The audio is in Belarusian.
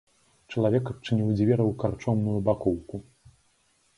Чалавек адчыніў дзверы ў карчомную бакоўку.